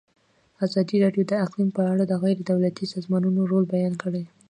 ازادي راډیو د اقلیم په اړه د غیر دولتي سازمانونو رول بیان کړی.